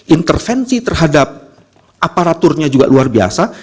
intervensi terhadap aparaturnya juga luar biasa